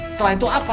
setelah itu apa